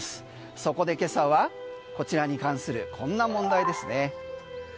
そこで今朝は、こちらに関するこんな問題ですね。